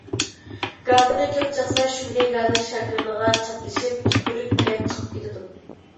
گازىرنى كۆپ چاقسا شۆلگەي گازىر شاكىلىغا چاپلىشىپ تۈكۈرۈك بىلەن چىقىپ كېتىدۇ.